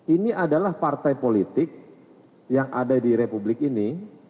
ini adalah partai politik yang ada di republik ini